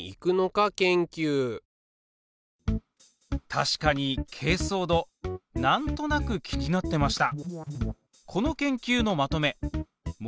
確かにけいそう土なんとなく気になってました。